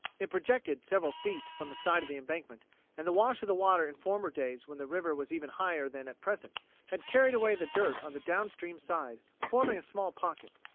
It projected several feet from the side of the embankment, and the wash of the water in former days when the river was even higher than at present had carried away the dirt on the down stream side, forming a small pocket.